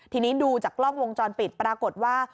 ทีนี้ดูจากกล้องวงจรปิดปรากฏว่า